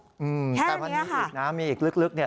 แต่วันนี้อีกนะมีอีกลึกเนี่ย